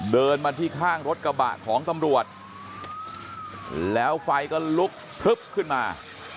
เดินมาที่ข้างรถกระบะของตำรวจแล้วไฟก็ลุกพลึบขึ้นมา